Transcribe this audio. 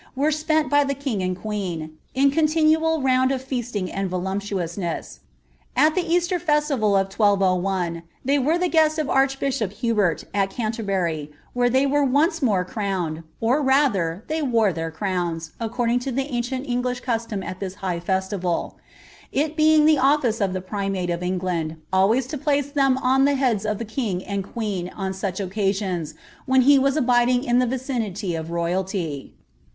vreK spent by the king and queen, in a ronlinual round of fmiinf ana vohiptuouMiesi. Al ifie Easter feslival of 1201, they were ilio ^omh of nrchbiahop Hubert, nt Caalerbury,' wher« they were onco man crowned,' or rather, tliey wore their crowns, aerording to l)ic wieim English custom at this high TeaiivBl ; it beinf the offic« oT the pnnntt of England, always to plaee them on the heads of the kinf and qnm on such occasions, when he was abiding' in the vicinity of royalty.